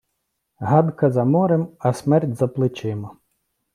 Гадка за морем, а смерть за плечима.